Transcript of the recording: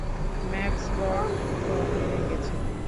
Max Born থ মেরে গেছেন।